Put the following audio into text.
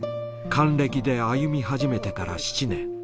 還暦で歩み始めてから７年。